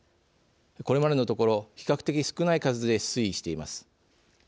これまでのところ比較的少ない数で推移しています。